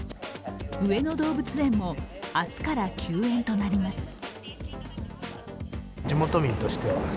上野動物園も明日から休園となります。